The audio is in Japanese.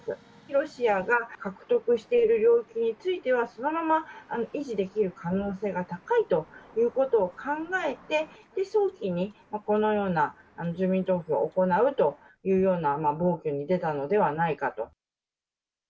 ロシアが獲得している領域については、そのまま維持できる可能性が高いということを考えて、早期にこのような住民投票を行うというような暴挙に出たのではないかと。